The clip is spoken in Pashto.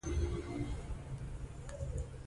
پلوشه راغله پر ځای ولې راغلل وایاست.